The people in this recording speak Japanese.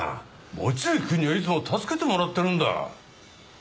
望月くんにはいつも助けてもらってるんだ。